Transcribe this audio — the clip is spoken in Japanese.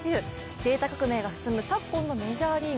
データ革命が進む昨今のメジャーリーグ。